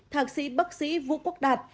thạc sĩ bác sĩ vũ quốc đạt